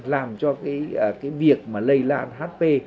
làm cho cái việc mà lây lan hp